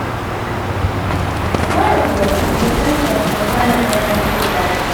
Chlorophyll is essential for plant energy production.